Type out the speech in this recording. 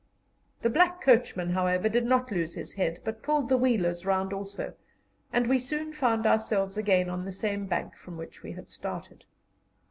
The black coachman, however, did not lose his head, but pulled the wheelers round also, and we soon found ourselves again on the same bank from which we had started.